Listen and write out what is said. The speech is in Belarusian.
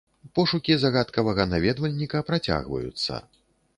Пошукі загадкавага наведвальніка працягваюцца.